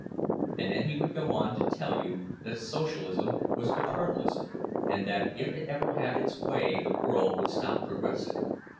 And then he would go on to tell you that Socialism was "paternalism," and that if it ever had its way the world would stop progressing.